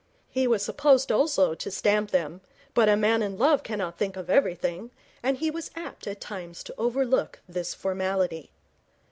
He was supposed also to stamp them, but a man in love cannot think of everything, and he was apt at times to overlook this formality.